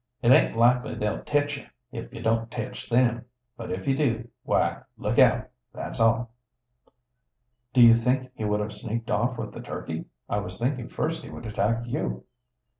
It aint likely they'll tech you, if you don't tech them. But if you do, why, look out, that's all." "Do you think he would have sneaked off with the turkey? I was thinking first he would attack you."